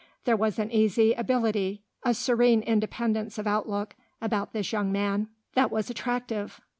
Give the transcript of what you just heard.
There was an easy ability, a serene independence of outlook, about this young man, that was attractive.